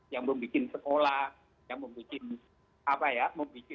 yang membuat sekolah yang membuat